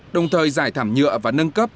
đồng thời giải thảm nhựa và nâng cấp